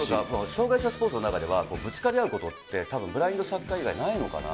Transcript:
障がい者スポーツの中では、ぶつかり合うって、たぶんブラインドサッカー以外ないのかな。